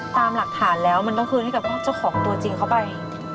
ตามหลักฐานแล้วมันต้องคืนให้กับเจ้าของตัวจริงเข้าไป